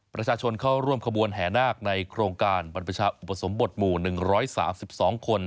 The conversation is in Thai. ประชาชนเข้าร่วมขบวนแห่นาคในโครงการบรรพชาอุปสมบทหมู่๑๓๒คน